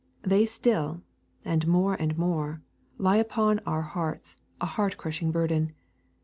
They still, and more and more, lie upon our hearts a heart crushing burden.